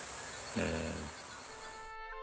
うん。